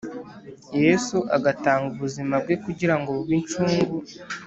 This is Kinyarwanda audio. Yesu agatanga ubuzima bwe kugira ngo bube incungu